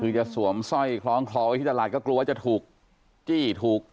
คือจะสวมสร้อยคล้องคลอไว้ที่ตลาดก็กลัวจะถูกจี้ถูก